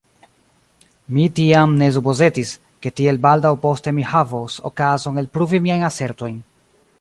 Mi tiam ne supozetis, ke tiel baldaŭ poste mi havos okazon elpruvi miajn asertojn.